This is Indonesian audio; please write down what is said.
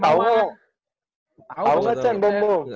lo tau gak cun bom bom